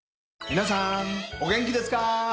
皆さんお元気ですか？